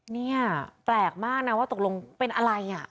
เนี่ยแปลกมากนะว่าตกลงเป็นอะไร